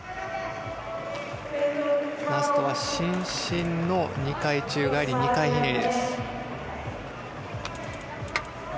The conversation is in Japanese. ラストは伸身の２回宙返り２回ひねり。